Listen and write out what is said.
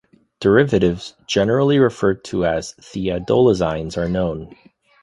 Derivatives, generally referred to as thiazolidines, are known.